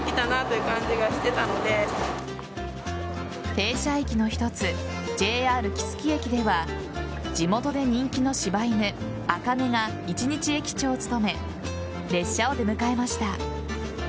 停車駅の一つＪＲ木次駅では地元で人気の柴犬・茜が一日駅長を務め列車を出迎えました。